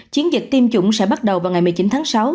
chiến dịch tiêm chủng sẽ bắt đầu vào ngày một mươi chín tháng sáu